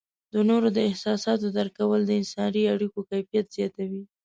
د نورو د احساساتو درک کول د انسانی اړیکو کیفیت زیاتوي.